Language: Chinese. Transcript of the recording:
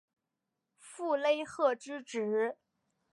傅勒赫之子。